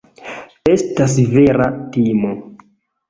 Estas vera timo.